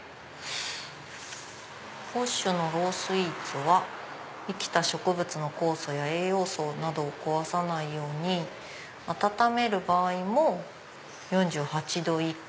ＰＯＳＨのロースイーツは生きた植物の酵素や栄養素などを壊さないように温める場合も４８℃以下。